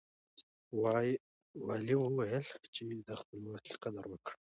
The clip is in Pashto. والي وويل چې د خپلواکۍ قدر وکړئ.